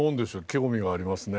興味がありますね。